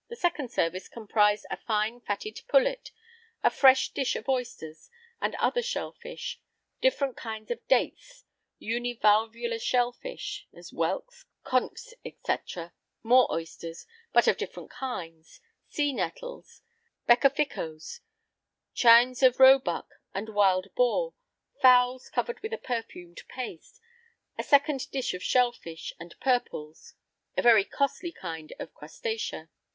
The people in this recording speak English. The second service comprised a fine fatted pullet, a fresh dish of oysters, and other shell fish, different kinds of dates, univalvular shell fish (as whelks, conchs, &c.), more oysters, but of different kinds, sea nettles, beccaficoes, chines of roe buck and wild boar, fowls covered with a perfumed paste, a second dish of shell fish, and purples a very costly kind of Crustacea.